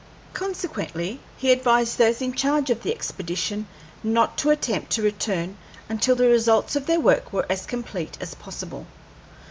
Consequently he advised those in charge of the expedition not to attempt to return until the results of their work were as complete as possible.